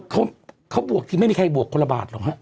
เขาบวกทีไม่มีใครบวกคนละบาทหรอกฮะ